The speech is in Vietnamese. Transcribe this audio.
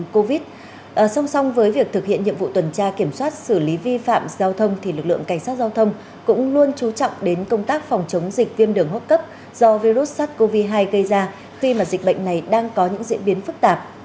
song song với việc thực hiện nhiệm vụ tuần tra kiểm soát xử lý vi phạm giao thông thì lực lượng cảnh sát giao thông cũng luôn chú trọng đến công tác phòng chống dịch viêm đường hốc cấp do virus sars cov hai gây ra khi mà dịch bệnh này đang có những diễn biến phức tạp